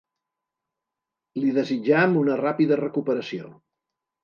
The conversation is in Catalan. Li desitjam una ràpida recuperació.